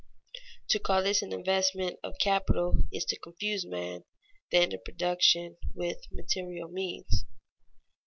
To call this an investment of capital is to confuse man, the end of production, with material means.